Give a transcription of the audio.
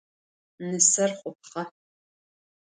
Нысэр хъупхъэ.